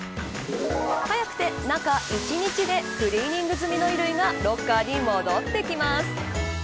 早くて、中１日でクリーニング済みの衣類がロッカーに戻ってきます。